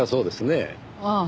ああ。